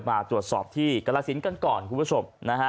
มาตรวจสอบที่กรสินกันก่อนคุณผู้ชมนะฮะ